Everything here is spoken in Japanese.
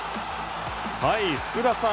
福田さん